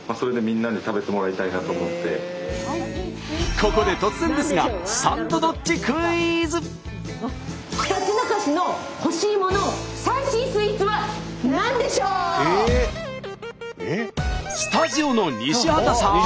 ここで突然ですがひたちなか市のスタジオの西畑さん！